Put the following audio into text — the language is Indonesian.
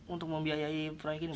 untuk membiayai proyek ini